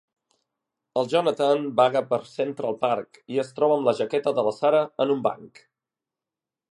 El Jonathan vaga per Central Park i es troba amb la jaqueta de la Sara en un banc.